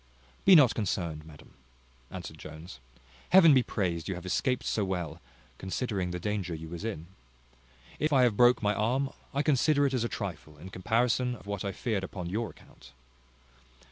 "Be not concerned, madam," answered Jones. "Heaven be praised you have escaped so well, considering the danger you was in. If I have broke my arm, I consider it as a trifle, in comparison of what I feared upon your account."